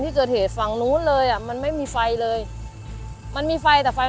สวัสดีครับที่ได้รับความรักของคุณ